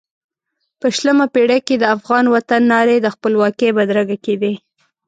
په شلمه پېړۍ کې د افغان وطن نارې د خپلواکۍ بدرګه کېدې.